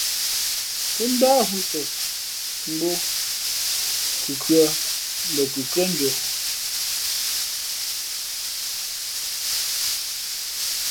Pó ndáh hǔ tok mbō khǔkǔʼkaʼ mbα kʉkhʉ́ά njoʼ.